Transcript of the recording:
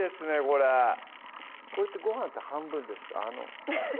これこれってごはんって半分ですか？